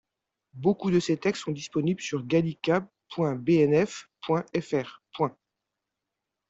Beaucoup de ces textes sont disponibles sur Gallica.bnf.fr.